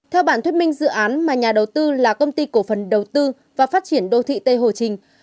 theo bản thuyết minh dự án mà nhà đầu tư là công ty cổ phần đầu tư và phát triển đô thị tây hồ trình